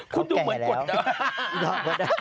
ผ่อนด้านเฝ้าผู้ใหญ่๒คน